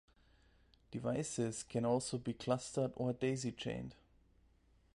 Devices can also be clustered or daisy-chained.